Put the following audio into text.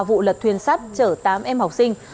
vụ lật thuyền sắt chở tám em học sinh